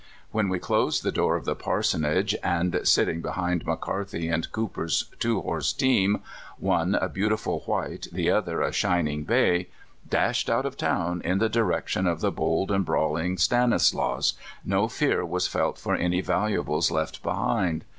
When we closed the door of the parsonage, and, sitting behind McCarthy & Cooper's two horse team — one a beau tiful white, the other a shining bay — dashed out of town in the direction of the bold and brawling Stanislaus, no fear was felt for any valuables left behind.